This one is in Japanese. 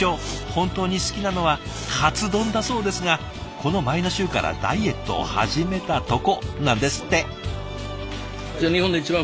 本当に好きなのはカツ丼だそうですがこの前の週からダイエットを始めたとこなんですって。